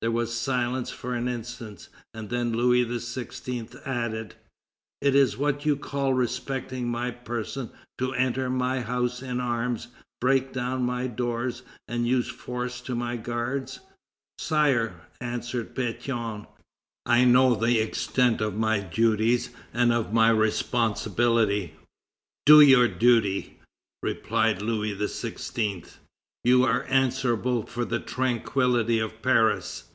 There was silence for an instant, and then Louis XVI. added: "Is it what you call respecting my person to enter my house in arms, break down my doors and use force to my guards?" "Sire," answered Pétion, "I know the extent of my duties and of my responsibility." "Do your duty!" replied Louis XVI.; "You are answerable for the tranquillity of Paris.